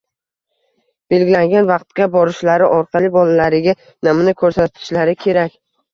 belgilangan vaqtga borishlari orqali bolalariga namuna ko‘rsatishlari kerak.